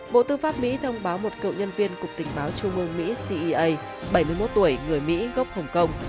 bộ tư pháp mỹ thông báo một cựu nhân viên cục tình báo trung ương mỹ cea bảy mươi một tuổi người mỹ gốc hồng kông